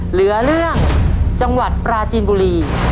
เหลือเรื่องจังหวัดปราจีนบุรี